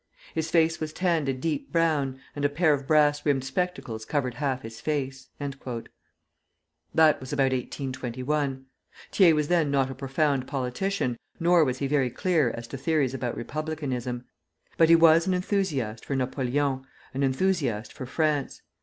His face was tanned a deep brown, and a pair of brass rimmed spectacles covered half his face." That was about 1821. Thiers was then not a profound politician, nor was he very clear as to theories about republicanism; but he was an enthusiast for Napoleon, an enthusiast for France.